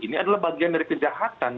ini adalah bagian dari kejahatan